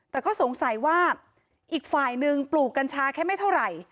แต่ก็สงสัยว่าอีกฝ่ายหนึ่งปลูกกัญชาแค่ไม่เท่าไหร่